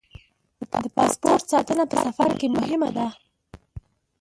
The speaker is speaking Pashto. د پاسپورټ ساتنه په سفر کې مهمه ده.